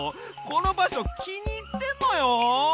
このばしょきにいってんのよ！